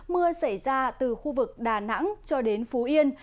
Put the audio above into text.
mưa xảy ra từ khu vực đà nẵng cho đến phú yên